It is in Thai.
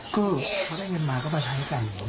ก็พอได้เงินมาก็มาใช้กัน